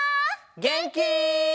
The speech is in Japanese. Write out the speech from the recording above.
げんき？